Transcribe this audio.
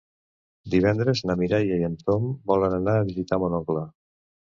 Divendres na Mireia i en Tom volen anar a visitar mon oncle.